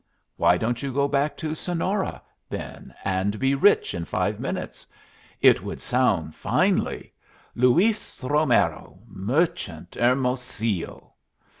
Why don't you go back to Sonora, then, and be rich in five minutes? It would sound finely: 'Luis Romero, Merchant, Hermosillo.'